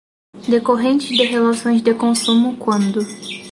decorrentes de relações de consumo, quando